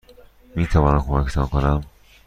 میتوانم کمکتان کنم؟